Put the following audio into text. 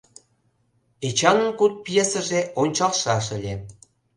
Эчанын куд пьесыже ончалтшаш ыле.